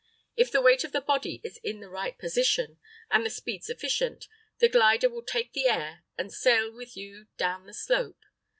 If the weight of the body is in the right position, and the speed sufficient, the glider will take the air and sail with you down the slope.